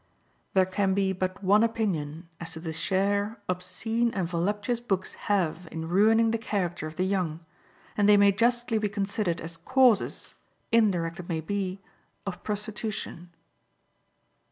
There can be but one opinion as to the share obscene and voluptuous books have in ruining the character of the young, and they may justly be considered as causes, indirect it may be, of prostitution.